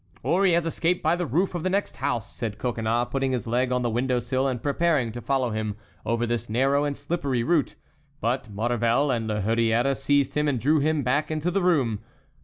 "Or he has escaped by the roof of the next house," said Coconnas, putting his leg on the window sill and preparing to follow him over this narrow and slippery route; but Maurevel and La Hurière seized him and drew him back into the room.